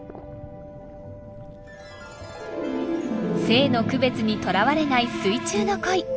性の区別にとらわれない水中の恋。